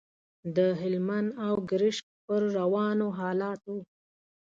د هلمند او ګرشک پر روانو حالاتو.